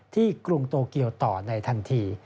กรุงโตเกียวต่อในทันที